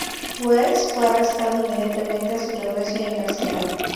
Wells fue arrestado inmediatamente a su regreso y encarcelado.